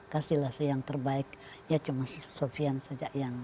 kasihlah saya yang terbaik ya cuma sofian saja yang